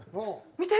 見て。